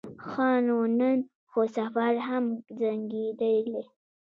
ښه نو نن خو سفر هم ځنډېدلی.